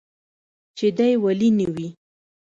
چې دى ولي نه وي.